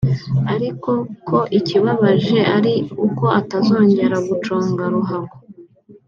ariko ko ikibabaje ari uko atazongera guconga ruhago